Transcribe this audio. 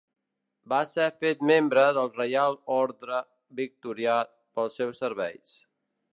Va ser fet membre del Reial Orde Victorià pels seus serveis.